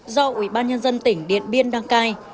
do ủy ban nhân dân tỉnh điện biên đăng cai